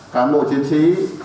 cán bộ chiến trí